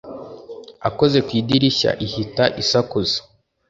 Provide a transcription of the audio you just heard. akoze ku idirishya ihita isakuza